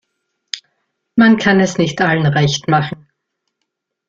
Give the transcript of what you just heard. Man kann es nicht allen recht machen.